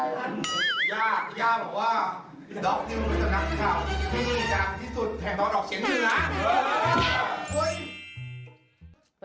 ด้อกนิ่งแห่งักษณะเคียงหนือนะ